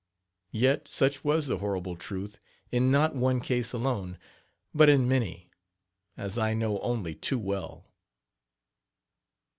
Yet such was the horrible truth in not one case alone, but in many, as I know only too well.